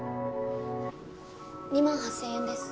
２万８０００円です。